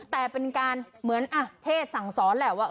แต่เป็นการเหมือนเทศสั่งสอนแหละว่า